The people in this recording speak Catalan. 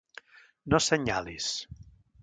No senyalis.